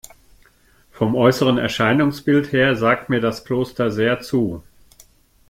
Vom äußeren Erscheinungsbild her sagt mir das Kloster sehr zu.